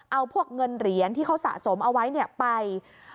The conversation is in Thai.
เอาพวกเงินเหรียญที่เขาสะสมเอาไว้ไป